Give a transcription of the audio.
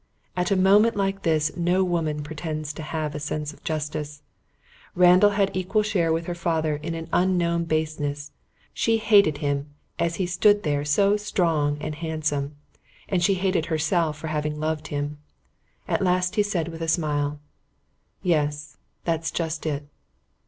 At a moment like this no woman pretends to have a sense of justice. Randall had equal share with her father in an unknown baseness. She hated him as he stood there so strong and handsome. And she hated herself for having loved him. At last he said with a smile: "Yes, That's just it."